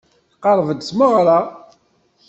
Tqerreb-d tmeɣra.